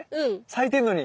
咲いてるのに。